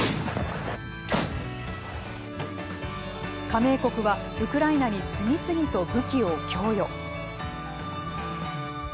加盟国はウクライナに次々と武器を供与。